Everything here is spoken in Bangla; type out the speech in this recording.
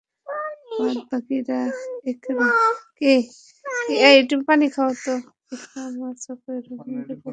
বাদ বাকীরা ইকরামা, সফওয়ান ও হিন্দার পক্ষ অবলম্বন করে।